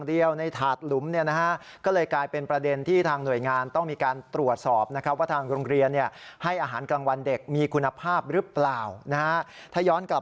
เดือนมิถุนายนปี๖๑นะครับ